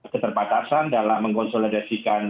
keterbatasan dalam mengkonsolidasikan